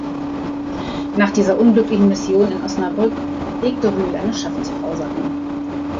Nach dieser unglücklichen Mission in Osnabrück legte Rühl eine Schaffenspause ein.